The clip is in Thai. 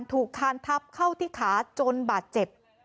คานทับเข้าที่ขาจนบาดเจ็บ